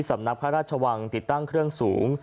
สำนักพระราชวังติดตั้งเครื่องสูง